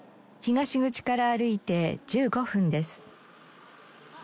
東口から歩いて１５分です。